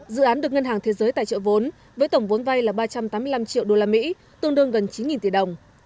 dự án được ngân hàng thế giới tài trợ vốn với tổng vốn vay là ba trăm tám mươi năm triệu usd tương đương gần chín tỷ đồng